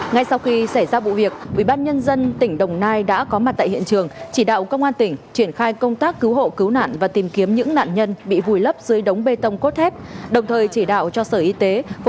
ngay sau khi xảy ra vụ việc ủy ban nhân dân tỉnh đồng nai đã có mặt tại hiện trường chỉ đạo công an tỉnh triển khai công tác cứu hộ cứu nạn và tìm kiếm những nạn nhân bị vùi lấp dưới đống bê tông cốt thép